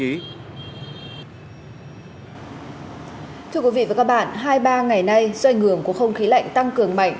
hai ba ngày nay doanh ngưỡng của không khí lạnh tăng cường mạnh